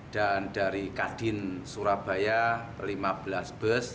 dan dari kadin surabaya lima belas bus